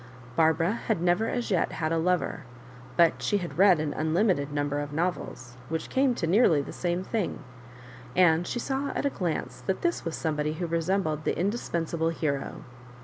Barbara had never as yet had a lover, but she had read an unlimited number of novels, which came to nearly the same thing, and she saw at a glance that this was somebody who resembled the indispensable hero.